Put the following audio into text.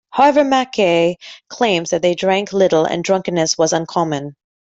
However, Mackay claims that they drank little and drunkenness was uncommon.